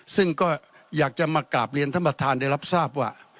ซึ่งก็อยากจะมากราบเรียนท่านประธานได้รับทราบว่า